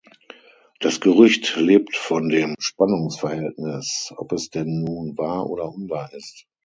Das Gerücht lebt von dem Spannungsverhältnis, ob es denn nun wahr oder unwahr ist.